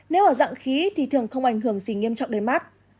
nếu ở dạng khí thì thường không ảnh hưởng gì nghiêm trọng đến mắt